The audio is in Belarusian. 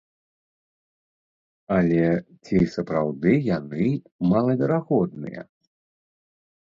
Але ці сапраўды яны малаверагодныя?